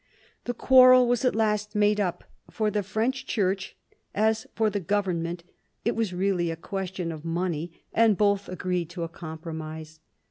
The quarrel was at last made up : for the French Church, as for the government, it was really a question of money, and both agreed to a compromise.